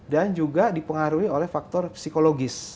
dan juga dipengaruhi oleh faktor psikologis